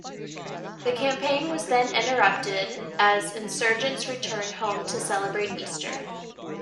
The campaign was then interrupted, as insurgents returned home to celebrate Easter.